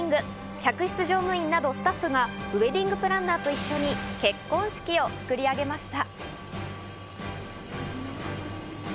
客室乗務員などスタッフがウエディングプランナーと一緒に結婚式を作り上げました。